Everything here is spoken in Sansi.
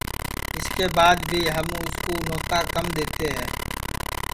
اِس کے بعد بھی ہم اُس کُو نوتا کم دؔیتے ہے